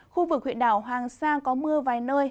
khu vực huyện đảo hoàng sa có mưa vài nơi